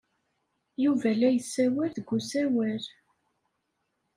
Yuba la yessawal deg usawal.